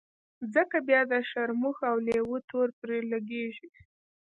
ځکه بيا د شرمښ او لېوه تور پرې لګېږي.